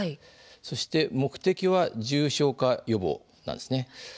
そして目的は重症化予防なんです。